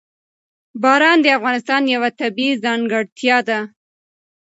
باران د افغانستان یوه طبیعي ځانګړتیا ده.